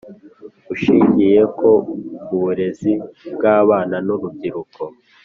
Ushingiye ko uburezi bw abana n urubyiruko